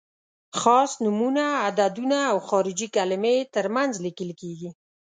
خاص نومونه، عددونه او خارجي کلمې تر منځ لیکل کیږي.